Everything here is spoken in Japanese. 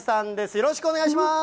よろしくお願いします。